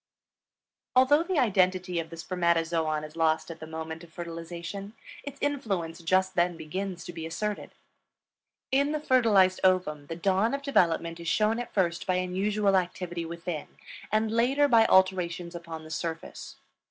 Although the identity of the spermatozoon is lost at the moment of fertilization, its influence just then begins to be asserted. In the fertilized ovum the dawn of development is shown at first by unusual activity within and later by alterations upon the surface.